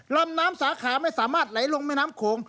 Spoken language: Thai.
ลำน้ำสาขาไม่สามารถไหลลงแม่น้ำโขง